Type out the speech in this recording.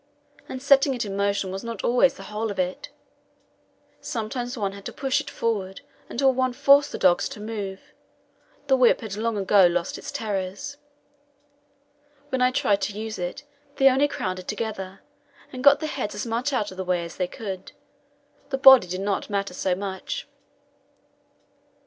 And setting it in motion was not always the whole of it: sometimes one had to push it forward until one forced the dogs to move. The whip had long ago lost its terrors. When I tried to use it, they only crowded together, and got their heads as much out of the way as they could; the body did not matter so much.